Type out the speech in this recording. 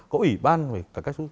có ủy ban về cải cách giáo dục